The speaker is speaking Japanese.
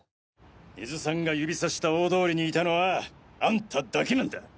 根津さんが指差した大通りにいたのはあんただけなんだ。